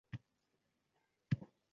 Tunni tongga ulab. So’ng, asta